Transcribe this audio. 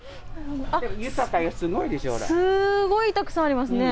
豊かよ、すごいたくさんありますね。